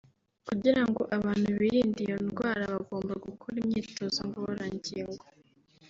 Kugira ngo abantu birinde iyo ndwara bagomba gukora imyitozo ngororangingo